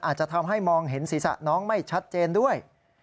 อาจจะทำให้มองเห็นศีรษะน้องไม่ชัดเจนด้วย